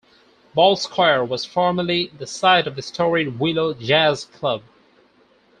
Ball Square was formerly the site of the storied Willow Jazz Club.